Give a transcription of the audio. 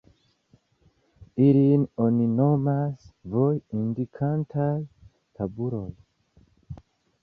Ilin oni nomas voj-indikantaj tabuloj.